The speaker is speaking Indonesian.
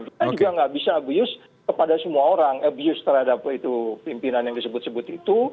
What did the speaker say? kita juga nggak bisa abuse kepada semua orang abuse terhadap pimpinan yang disebut sebut itu